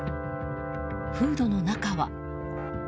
フードの中は。